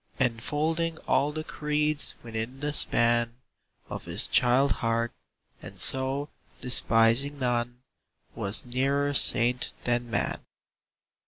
Enfolding all the creeds within the span Of his child heart; and so, despising none, Was nearer saint than man.